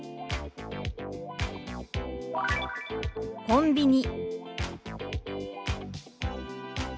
「コンビニ」。